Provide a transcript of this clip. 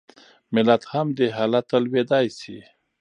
ملت هم دې حالت ته لوېدای شي.